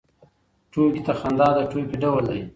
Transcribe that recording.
ټوکې ته خندا د ټوکې ډول دی.